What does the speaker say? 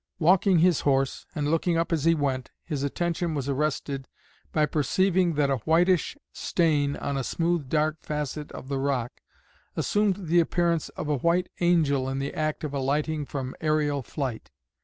Walking his horse, and looking up as he went, his attention was arrested by perceiving that a whitish stain on a smooth dark facet of the rock assumed the appearance of a white angel in the act of alighting from aërial flight.